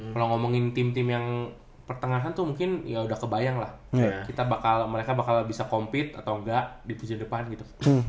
kalau ngomongin tim tim yang pertengahan tuh mungkin ya udah kebayang lah mereka bakal bisa compete atau enggak di tujuan depan gitu